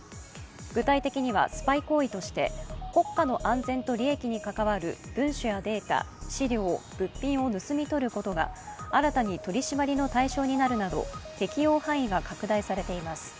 具体的にはスパイ行為として国家の安全と利益に関わる文書やデータ、資料物品を盗み取ることが新たに取り締まりの対象になるなど適用範囲が拡大されています。